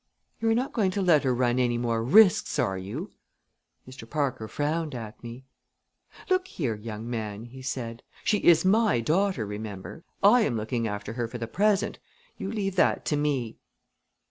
"You are not going to let her run any more risks, are you?" Mr. Parker frowned at me. "Look here, young man," he said; "she is my daughter, remember! I am looking after her for the present. You leave that to me."